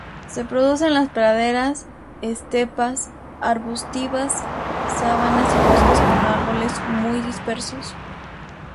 Se produce en las praderas, estepas arbustivas, sabanas y bosques con árboles muy dispersos.